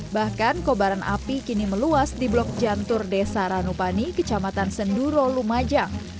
bahkan kobaran api kini meluas di blok jantur desa ranupani kecamatan senduro lumajang